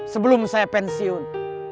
sebelum saya pensiun